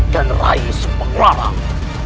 dan raih subang warang